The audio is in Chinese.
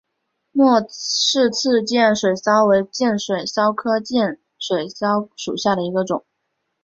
莫氏刺剑水蚤为剑水蚤科刺剑水蚤属下的一个种。